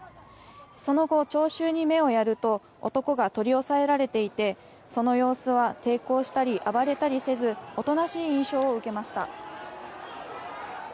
その後、聴衆に目をやると男が取り押さえられていてその様子は抵抗したり暴れたりせずおとなしい印象を受けました。